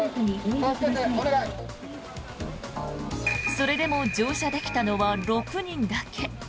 それでも乗車できたのは６人だけ。